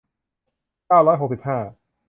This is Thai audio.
เก้าร้อยหกสิบห้า